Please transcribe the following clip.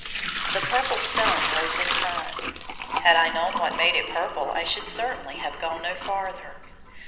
The purple sun rose in front. Had I known what made it purple I should certainly have gone no farther.